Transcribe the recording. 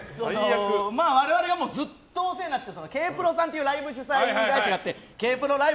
我々がずっとお世話になっているＫ−ＰＲＯさんっていうライブ主催会社があってＫ−ＰＲＯライブ